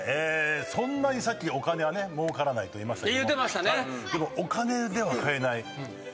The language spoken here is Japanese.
そんなにさっきお金はもうからないと言いましたけども。